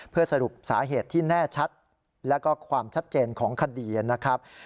เพื่อสรุปสาเหตุที่แน่ชัดแล้วก็ความชัดเจนของคดีนะครับ